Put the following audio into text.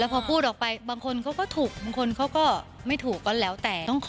ผมพูดออกไปแล้วบางคนก็ถูกไม่ถูกก็แล้วแต่